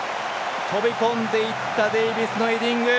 飛び込んでいったデービスのヘディング！